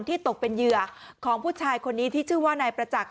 ตกเป็นเหยื่อของผู้ชายคนนี้ที่ชื่อว่านายประจักษ